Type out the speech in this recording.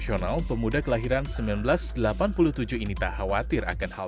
yaudah pake facebook dulu